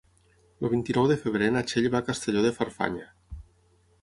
El vint-i-nou de febrer na Txell va a Castelló de Farfanya.